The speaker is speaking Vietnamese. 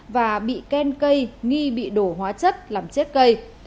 và bị khen cây nghi bị đổ hóa chất làm chết cây